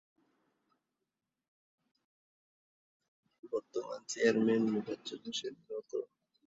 বর্তমান চেয়ারম্যান- মোফাজ্জল হোসেন রতন